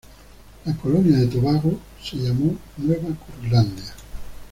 La colonia en Tobago se llamó Nueva Curlandia.